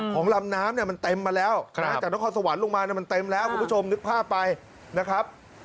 ลำน้ำเนี่ยมันเต็มมาแล้วจากนครสวรรค์ลงมามันเต็มแล้วคุณผู้ชมนึกภาพไปนะครับ